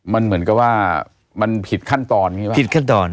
มันเหมือนกับว่ามันผิดขั้นตอน